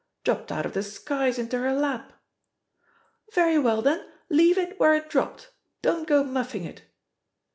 "Dropped out of the skies into her lap V* Very well, then, leave it where it dropped— » don't go mufEbg it."